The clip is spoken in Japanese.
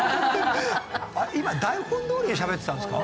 今台本どおりにしゃべってたんですか？